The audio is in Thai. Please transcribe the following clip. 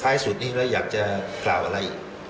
ท้ายสุดนี้เราอยากจะกล่าวอะไร